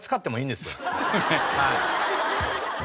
はい。